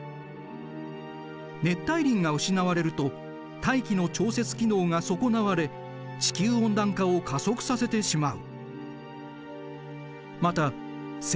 熱帯林が失われると大気の調節機能が損なわれ地球温暖化を加速させてしまう。